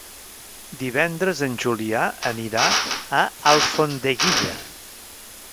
Divendres en Julià anirà a Alfondeguilla.